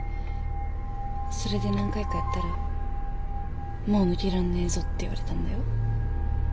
それで何回かやったら「もう抜けらんねえぞ」って言われたんだよ。